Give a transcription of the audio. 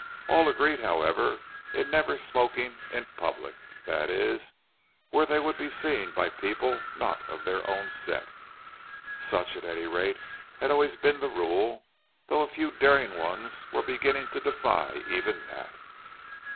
All agreed however, in never smoking "in public"—that is, where they would be seen by people not of their own set. Such, at any rate, had always been the rule, though a few daring ones were beginning to defy even that.